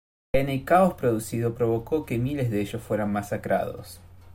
En el caos producido provocó que miles de ellos fueran masacrados.